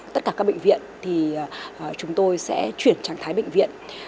tất cả các bệnh viện thì chúng tôi sẽ chuyển trạng thái bệnh viện